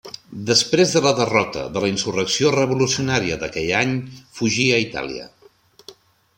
Després de la derrota de la insurrecció revolucionària d'aquell any fugí a Itàlia.